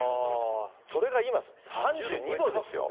それが今、３２度ですよ。